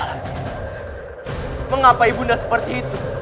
hai mengapa ibundang seperti itu